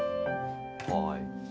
はい。